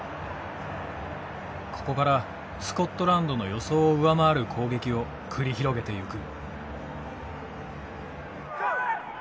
ここからスコットランドの予想を上回る攻撃を繰り広げていく。